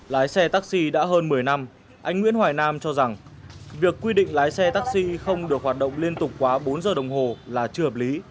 lái xe taxi đã hơn một mươi năm anh nguyễn hoài nam cho rằng việc quy định lái xe taxi không được hoạt động liên tục quá bốn giờ đồng hồ là chưa hợp lý